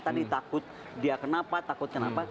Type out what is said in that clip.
tadi takut dia kenapa takut kenapa